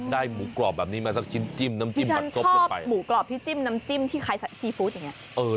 ได้หมูกรอบแบบนี้มาสักชิ้นจิ้มน้ำจิ้มบัดซบกันไปที่ฉันชอบหมูกรอบที่จิ้มน้ำจิ้มที่คล้ายซักซีฟู้ดอย่างนี้